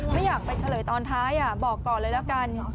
ไม่อยากไปเฉลยตอนท้ายบอกก่อนเลยแล้วกัน